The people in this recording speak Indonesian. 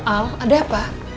al ada apa